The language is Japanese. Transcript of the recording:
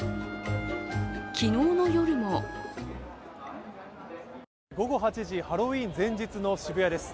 昨日の夜も午後８時、ハロウィーン前日の渋谷です。